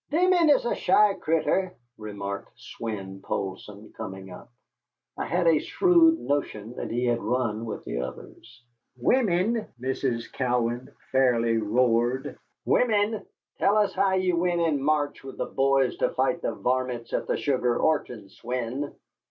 "Vimmen is a shy critter," remarked Swein Poulsson, coming up. I had a shrewd notion that he had run with the others. "Wimmen!" Mrs. Cowan fairly roared. "Wimmen! Tell us how ye went in March with the boys to fight the varmints at the Sugar Orchard, Swein!"